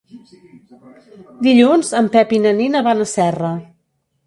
Dilluns en Pep i na Nina van a Serra.